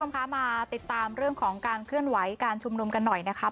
คุณผู้ชมคะมาติดตามเรื่องของการเคลื่อนไหวการชุมนุมกันหน่อยนะครับ